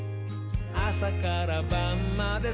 あさからばんまで」